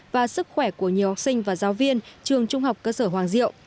và sức khỏe của nhiều học sinh và giáo viên trường trung học cơ sở hoàng diệu